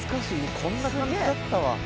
こんな感じだったわ。